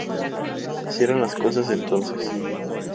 Así eran las cosas entonces.